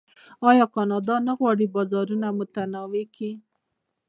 آیا کاناډا نه غواړي بازارونه متنوع کړي؟